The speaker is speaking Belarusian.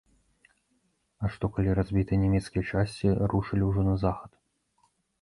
А што, калі разбітыя нямецкія часці рушылі ўжо на захад?